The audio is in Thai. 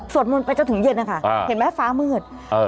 ทรวดมนตร์ไปจนถึงเย็นอ่ะค่ะอ่าเห็นไหมฟ้าเมือดเอ่อ